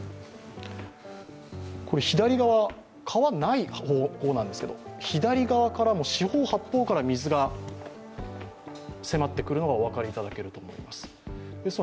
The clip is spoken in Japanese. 左側、川がない方向なんですけど左側からも四方八方から水が迫ってくるのがお分かりいただけると思います。